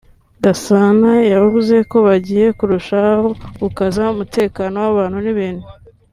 Gasana yavuze ko bagiye kurushaho gukaza umutekano w’abantu n’ibintu